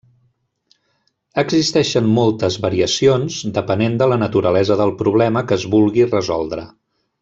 Existeixen moltes variacions depenent de la naturalesa del problema que es vulgui resoldre.